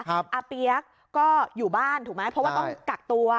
อาเปี๊ยกก็อยู่บ้านถูกไหมเพราะว่าต้องกักตัว